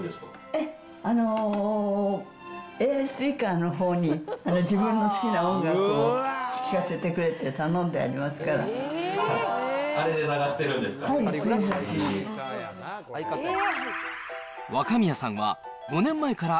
えっ、ＡＩスピーカーのほうに、自分の好きな音楽を聴かせてくれって頼んでありますから。